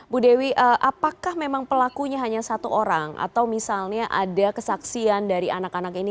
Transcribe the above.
bu dewi apakah memang pelakunya hanya satu orang atau misalnya ada kesaksian dari anak anak ini